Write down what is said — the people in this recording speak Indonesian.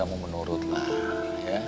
agak keras sih misalnya